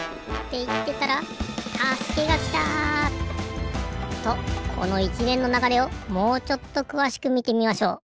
いってたらたすけがきた！とこのいちれんのながれをもうちょっとくわしくみてみましょう。